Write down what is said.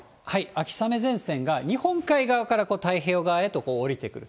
秋雨前線が日本海側から太平洋側へと下りてくる。